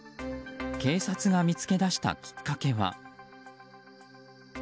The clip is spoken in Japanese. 警察が見つけ出したきっかけは。